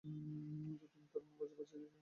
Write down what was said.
যতদিন তার মা বাঁচিয়া ছিল কোনো বিপদ ঘটে নাই।